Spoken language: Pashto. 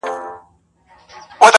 که هر څه وږی يم، سږي نه خورم.